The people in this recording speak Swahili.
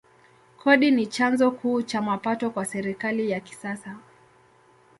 Kodi ni chanzo kuu cha mapato kwa serikali ya kisasa.